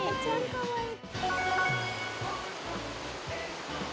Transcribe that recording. かわいい。